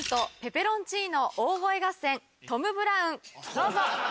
どうぞ。